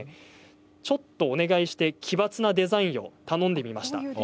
ちょっとお願いして奇抜なデザインを選んでみました。